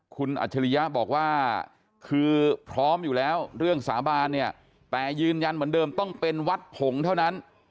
คุณอัจฉริยะบอกว่าคือพร้อมอยู่แล้วเรื่องสาบานเนี่ยแต่ยืนยันเหมือนเดิมต้องเป็นวัดผงเท่านั้น